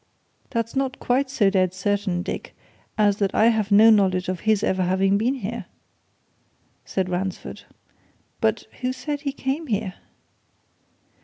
"That's not quite so dead certain, Dick, as that I have no knowledge of his ever having been here," said Ransford. "But who says he came here?"